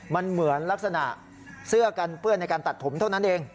มันเหมือนลักษณะเสื้อกันเปื้อนในการตัดผมเท่านั้นเอง